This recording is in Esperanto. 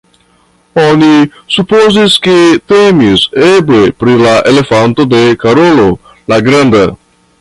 Oni supozis, ke temis eble pri la elefanto de Karolo la granda.